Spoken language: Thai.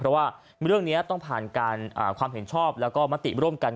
เพราะว่าเรื่องนี้ต้องผ่านการความเห็นชอบแล้วก็มติร่วมกัน